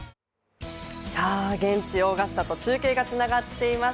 現地オーガスタと中継がつながっています。